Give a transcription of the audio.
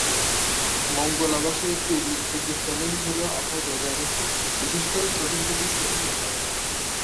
মঙ্গল আবাসের একটি উল্লেখযোগ্য চ্যালেঞ্জ হলো আবহাওয়া বজায় রাখা, বিশেষ করে সঠিক জায়গায় সঠিক তাপমাত্রা।